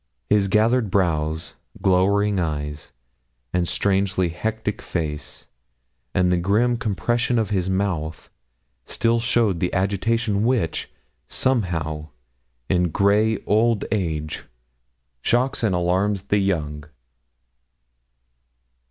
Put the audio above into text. His gathered brows, glowing eyes, and strangely hectic face, and the grim compression of his mouth, still showed the agitation which, somehow, in grey old age, shocks and alarms the young.